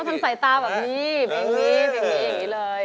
เขาต้องใส่ตาแบบนี้แบบนี้แบบนี้อย่างนี้เลย